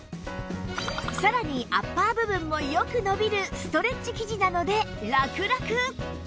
さらにアッパー部分もよく伸びるストレッチ生地なのでラクラク